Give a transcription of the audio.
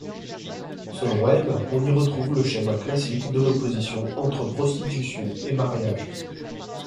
Selon elle, on y retrouve le schéma classique de l'opposition entre prostitution et mariage.